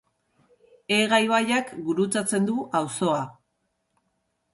Ega ibaiak gurutzatzen du auzoa.